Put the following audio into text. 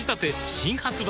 新発売